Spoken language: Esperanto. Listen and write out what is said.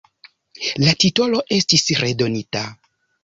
La titolo estis redonita.